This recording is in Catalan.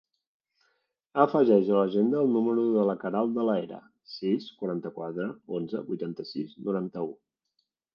Afegeix a l'agenda el número de la Queralt De La Hera: sis, quaranta-quatre, onze, vuitanta-sis, noranta-u.